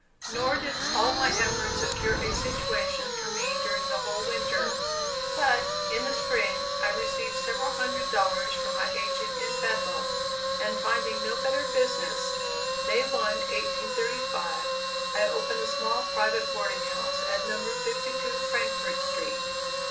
Nor did all my efforts secure a situation for me during the whole winter; but, in the spring, I received several hundred dollars from my agent in Bethel, and finding no better business, May 1, 1835, I opened a small private boarding house at No. 52 Frankfort Street.